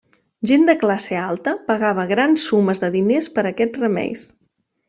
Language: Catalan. Gent de classe alta pagava grans sumes de diners per aquests remeis.